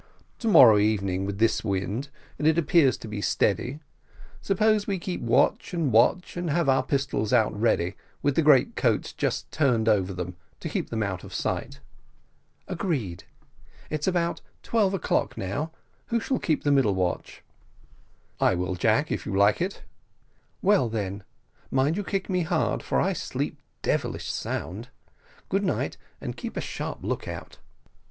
"To morrow evening with this wind, and it appears to be steady. Suppose we keep watch and watch, and have our pistols out ready, with the greatcoats just turned over them, to keep them out of sight?" "Agreed it's about twelve o'clock now who shall keep the middle watch?" "I will, Jack, if you like it." "Well, then, mind you kick me hard, for I sleep devilish sound. Good night, and keep a sharp lookout."